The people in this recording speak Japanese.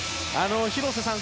広瀬さん